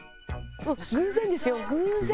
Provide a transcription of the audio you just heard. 偶然ですよ偶然。